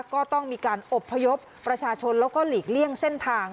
ก็ต้องมีการอบพยพประชาชนแล้วก็หลีกเลี่ยงเส้นทาง